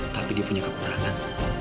tapi dia punya kekurangan